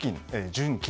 純金